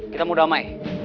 kita mau damai